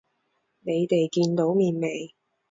你哋見到面未？